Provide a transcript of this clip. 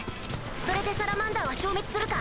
それでサラマンダーは消滅するか？